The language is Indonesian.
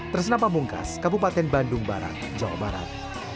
tersenapa mungkas kabupaten bandung barat jawa barat